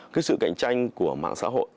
cái sự cạnh tranh của mạng xã hội